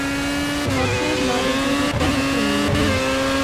د بازار لارې ډيرې ګڼې ګوڼې لري.